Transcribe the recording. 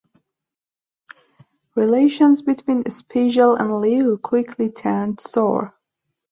Relations between Spiegel and Liew quickly turned sour.